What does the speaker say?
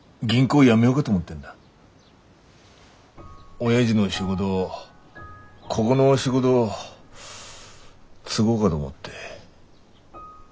おやじの仕事こごの仕事継ごうがと思って。